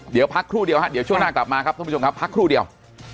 เดี๋ยวพักครู่เดียวฮะเดี๋ยวช่วงหน้ากลับมาครับท่านผู้ชมครับพักครู่เดียว